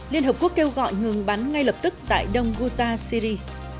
liên hợp quốc kêu gọi ngừng bắn ngay lập tức tại đông guta syri